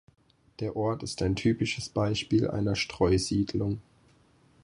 Der Ort ist ein typisches Beispiel einer Streusiedlung.